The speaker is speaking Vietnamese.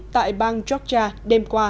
tại bang georgia đêm qua